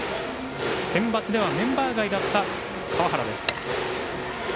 センバツではメンバー外だった川原です。